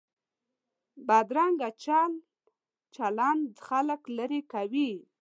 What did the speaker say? بدرنګه چال چلند خلک لرې کوي